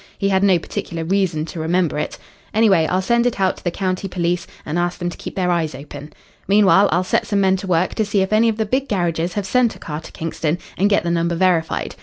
He had no particular reason to remember it. Anyway, I'll send it out to the county police, and ask them to keep their eyes open. Meanwhile, I'll set some men to work to see if any of the big garages have sent a car to Kingston, and get the number verified.